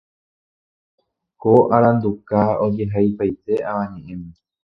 Ko aranduka ojehaipaite avañeʼẽme.